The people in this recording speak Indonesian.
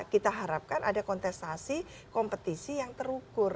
kita harapkan ada kontestasi kompetisi yang terukur